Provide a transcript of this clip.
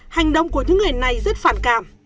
hành động của những người này rất phản cảm